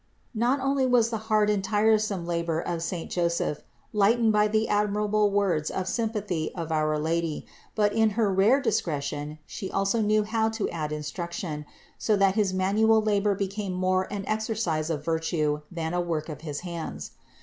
Not only was the hard and tiresome labor of saint Joseph lightened by the admirable words of sympathy of our Lady, but in her rare discretion She also knew how to add instruction, so that his manual labor became more an exercise of virtue than a work of the hands.